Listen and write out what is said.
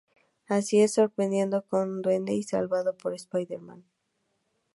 Allí es sorprendido por el Duende y salvado por Spiderman.